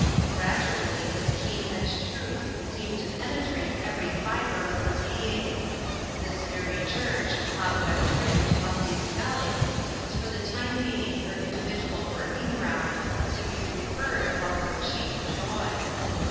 Gradually this keen edged truth seemed to penetrate every fibre of her being. This very church, cobweb trimmed, must}" smell ing, was for the time being her individual 9O INTERRUPTED. working ground, to be preferred above her chief joy